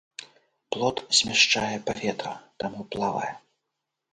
Плод змяшчае паветра, таму плавае.